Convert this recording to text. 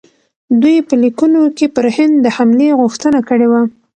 دوی په لیکونو کې پر هند د حملې غوښتنه کړې وه.